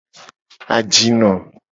Ajino.